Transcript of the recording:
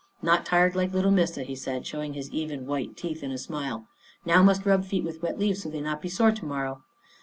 " Not tired like little Missa," he said, showing his even white teeth in a smile. " Now must rub feet with wet leaves so they not be sore to morrow."